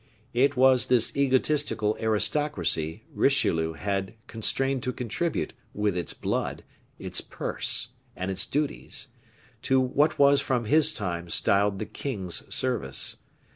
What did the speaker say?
It was this egotistical aristocracy Richelieu had constrained to contribute, with its blood, its purse, and its duties, to what was from his time styled the king's service.